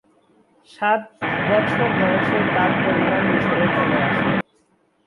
সাত বছর বয়সে তার পরিবার মিশরে চলে আসে।